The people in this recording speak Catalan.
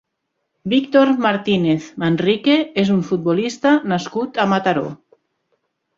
Víctor Martínez Manrique és un futbolista nascut a Mataró.